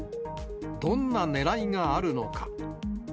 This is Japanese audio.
どんなねらいがあるのか。